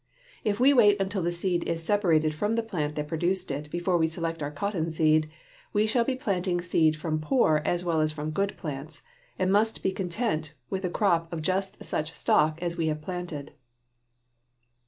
If we wait until the seed is separated from the plant that produced it before we select our cotton seed, we shall be planting seed from poor as well as from good plants, and must be content with a crop of just such stock as we have planted.